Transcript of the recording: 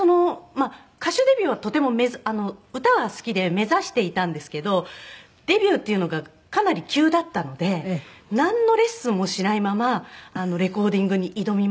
まあ歌手デビューはとても歌は好きで目指していたんですけどデビューっていうのがかなり急だったのでなんのレッスンもしないままレコーディングに挑みまして。